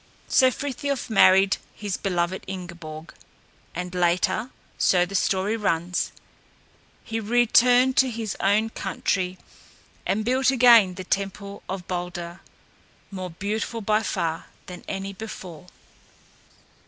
So Frithiof married his beloved Ingeborg, and later, so the story runs, he returned to his own country and built again the temple of Balder, more beautiful by far than any before.